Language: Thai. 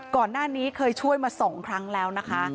ก่อนหน้านี้เคยช่วยมา๒ครั้งแล้วนะคะ